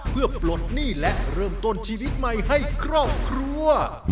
เพื่อปลดหนี้และเริ่มต้นชีวิตใหม่ให้ครอบครัว